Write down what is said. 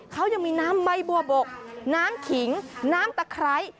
เขายังมีน้ำใบบัวบกน้ำขิงน้ำตะไคร้